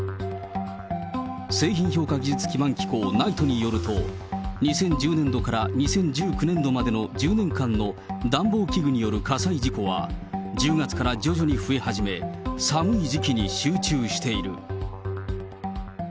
製品評価技術基盤機構・ＮＩＴＥによると２０１０年度から２０１９年度までの１０年間の暖房器具による火災事故は１０月から徐々に増え始め、寒い時期に集中している。